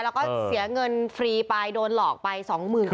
แล้วก็เสียเงินฟรีไปโดนหลอกไป๒หมื่นครับ